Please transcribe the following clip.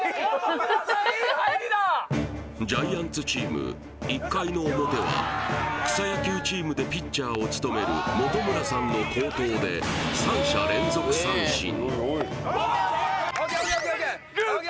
ジャイアンツチーム１回の表は草野球チームでピッチャーを務める本村さんの好投でＯＫＯＫＯＫＯＫ！